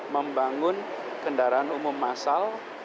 membangun kendaraan umum massal